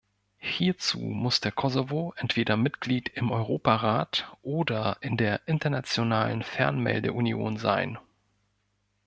Hierzu muss der Kosovo entweder Mitglied im Europarat oder in der Internationalen Fernmeldeunion sein.